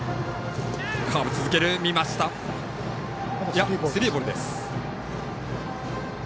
スリーボールです。